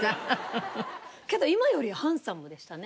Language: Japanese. けど今よりハンサムでしたね。